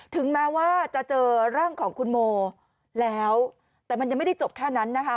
ถึงแม้ว่าจะเจอร่างของคุณโมแล้วแต่มันยังไม่ได้จบแค่นั้นนะคะ